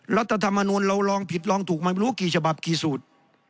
รัฐธรรมนูลเราลองผิดลองถูกมาไม่รู้กี่ฉบับกี่สูตร